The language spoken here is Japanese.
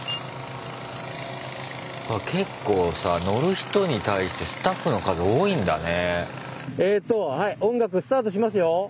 結構さ乗る人に対してスタッフの数多いんだね。